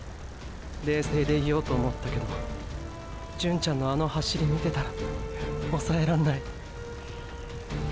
冷静でいようと思ったけど純ちゃんのあの走り見てたらおさえらんない。